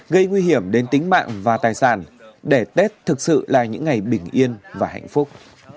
gây nguy hiểm đến tính mạng và tài sản để tết thực sự là những ngày bình yên và hạnh phúc